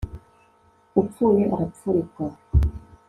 upfuye arapfurikwa